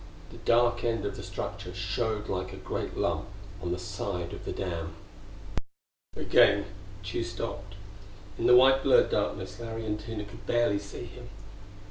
The dark end of the structure showed like a great lump on the side of the dam. Again Tugh stopped. In the white, blurred darkness Larry and Tina could barely see him.